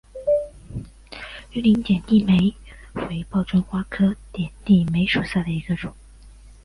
绿棱点地梅为报春花科点地梅属下的一个种。